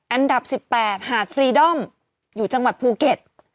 อันดับ๑๘หาดฟรีดอมอยู่จังหวัดภูเก็ต